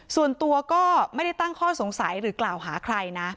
ส่วนตัวก็ไม่ได้ตั้งข้อสงสัยหรือกล่าวหาใครนะ